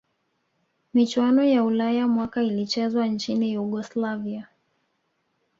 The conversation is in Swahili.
michuano ya ulaya mwaka ilichezwa nchini yugoslavia